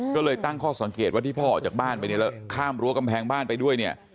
ก็เลยตั้งข้อสังเกตว่าที่พ่อออกจากบ้านไปเนี่ยแล้วข้ามรั้วกำแพงบ้านไปด้วยเนี่ย